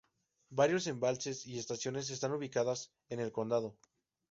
Varios embalses y estaciones están ubicadas en el condado.